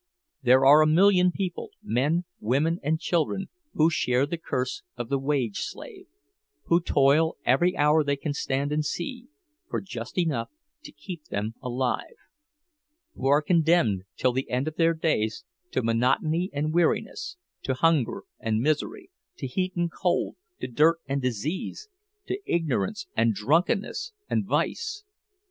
There are a million people, men and women and children, who share the curse of the wage slave; who toil every hour they can stand and see, for just enough to keep them alive; who are condemned till the end of their days to monotony and weariness, to hunger and misery, to heat and cold, to dirt and disease, to ignorance and drunkenness and vice!